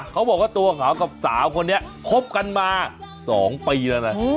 เขาบอกว่าตัวเขากับสาวคนนี้คบกันมา๒ปีแล้วนะ